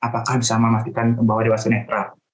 apakah bisa memastikan bahwa dewasa netral